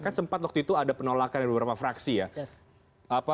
kan sempat waktu itu ada penolakan dari beberapa fraksi ya